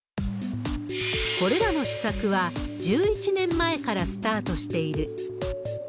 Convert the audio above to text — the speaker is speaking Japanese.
これらの施策は１１年前からスタートしている。